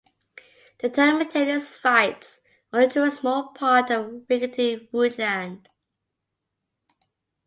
The town maintained its rights only to a small part of the rickety woodland.